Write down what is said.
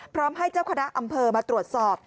พร้อมให้เจ้าคณะอำเภอมาตรวจสอบ